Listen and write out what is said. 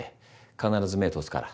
必ず目通すから。